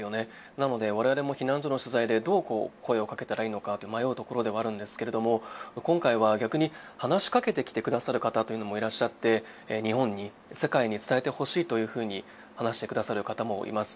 なので、我々も避難所の取材でどう声をかけるか迷うところだったんですけれども今回は逆に、話しかけてくださる方もいらっしゃって、日本に、世界に伝えてほしいというふうに話してくださる方もいます。